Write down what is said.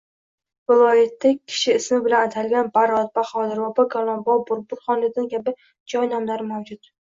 Viloyatda kishi ismi bilan atalgan Barot, Bahodir, Bobokalon, Bobur, Burxoniddin kabi joy nomlari mavjud.